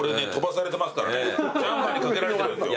ジャンパーにかけられてるんですよ。